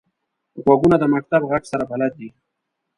غوږونه د مکتب غږ سره بلد دي